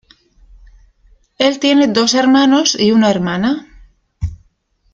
Él tiene dos hermanos y una hermana.